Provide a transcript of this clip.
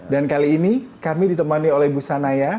dan kali ini kami ditemani oleh ibu sanaya